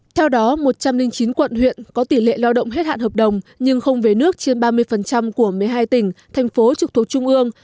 theo đó một trăm linh chín quận huyện có tỷ lệ lao động hết hạn hợp đồng nhưng không về nước trên ba mươi của một mươi hai tỉnh thành phố trực thuộc trung ương